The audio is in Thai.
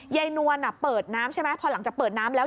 นวลเปิดน้ำใช่ไหมพอหลังจากเปิดน้ำแล้ว